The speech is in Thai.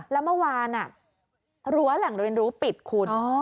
แล้วเมื่อวานรั้วแหล่งเรียนรู้ปิดคุณ